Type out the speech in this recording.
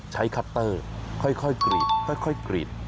ใช้คัตเตอร์ค่อยกรีดกรีด